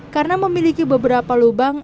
karena memiliki beberapa lubang